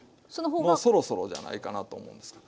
もうそろそろじゃないかなと思うんですけど。